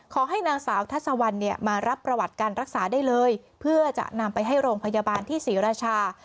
ขอให้นางสาวทัศวรรณเนี่ยมารับประวัติการรักษาได้เลยเพื่อจะนำไปให้โรงพยาบาลที่ศรีราชา